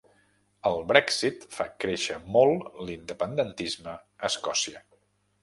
El Brexit fa créixer molt l'independentisme a Escòcia